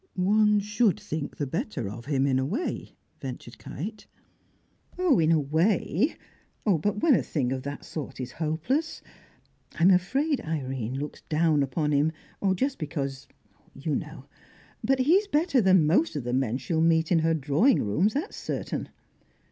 "One should think the better of him, in a way," ventured Kite. "Oh, in a way. But when a thing of that sort is hopeless. I'm afraid Irene looks down upon him, just because you know. But he's better than most of the men she'll meet in her drawing rooms, that's certain.